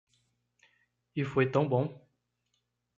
E foi tão bom!